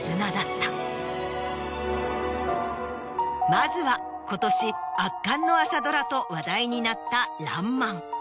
まずは今年「圧巻の朝ドラ」と話題になった『らんまん』。